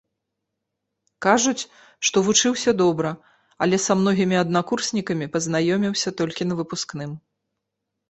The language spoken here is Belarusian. Кажуць, што вучыўся добра, але са многімі аднакурснікамі пазнаёміўся толькі на выпускным.